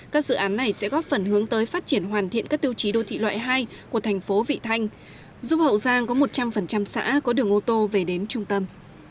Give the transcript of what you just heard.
các dự án này sẽ góp phần hướng tới phát triển hoàn thiện các tiêu chí đô thị loại hai của thành phố vị thanh giúp hậu giang có một trăm linh xã có đường ô tô về đến trung tâm